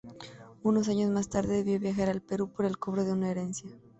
Unos años más tarde debió viajar al Perú por el cobro de una herencia.